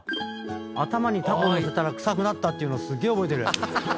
頭にタコのせたら臭くなったっていうのすげえ覚えてる。